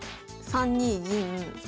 ３二銀。